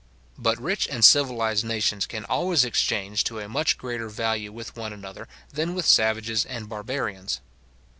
But rich and civilized nations can always exchange to a much greater value with one another, than with savages and barbarians.